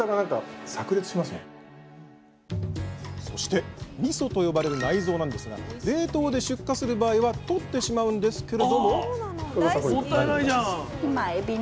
そして「みそ」と呼ばれる内臓なんですが冷凍で出荷する場合は取ってしまうんですけれども深川さん